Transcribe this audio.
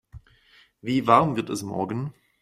Wie warm wird es morgen?